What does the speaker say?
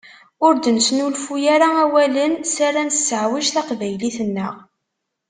Ur d-nesnulfuy ara awalen s ara nesseɛwej taqbaylit-nneɣ.